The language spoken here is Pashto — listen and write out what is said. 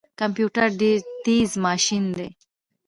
کمپيوټر ډیر تیز ماشین دی